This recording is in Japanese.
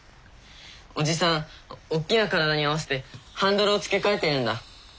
おじさんおっきな体に合わせてハンドルを付け替えてるんだ。